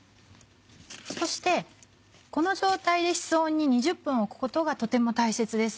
そしてこの状態で室温に２０分置くことがとても大切です。